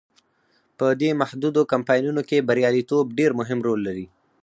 په دې محدودو کمپاینونو کې بریالیتوب ډیر مهم رول لري.